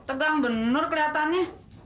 tegang bener kelihatannya